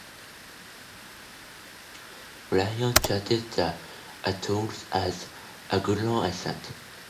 Byron charted the atolls as "Lagoon Islands".